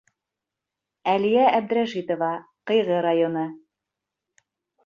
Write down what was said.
Әлиә ӘБДРӘШИТОВА, Ҡыйғы районы: